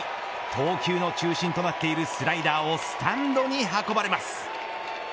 投球の中心となっているスライダーをスタンドに運ばれます。